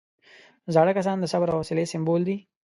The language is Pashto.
زاړه کسان د صبر او حوصلې سمبول دي